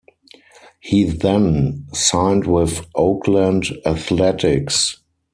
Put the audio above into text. He then signed with Oakland Athletics.